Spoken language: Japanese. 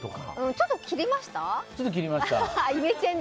ちょっと切りました。